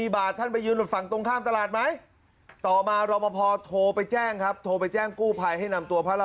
อาการท่านก็หนักพอสมควรต้องส่งไปรักษาต่อ